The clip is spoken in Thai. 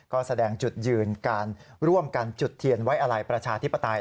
ก็แสดงจุดยืนการร่วมกันจุดเทียนไว้อะไรประชาธิปไตย